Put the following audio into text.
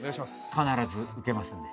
必ずウケますんで。